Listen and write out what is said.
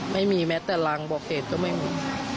ไม่มีแม้แต่รังบอกเหตุก็ไม่มี